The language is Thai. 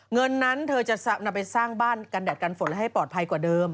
เงินนั้นเธอจะนำไปสร้างบ้านกันดัดกันฝนและให้ปลอดภัยกว่าเดิม